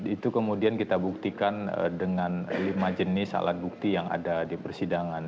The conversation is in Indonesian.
itu kemudian kita buktikan dengan lima jenis alat bukti yang ada di persidangan